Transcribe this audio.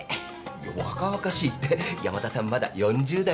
いや若々しいって山田さんまだ４０代ですよ。